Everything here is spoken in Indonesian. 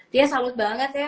dia salut banget ya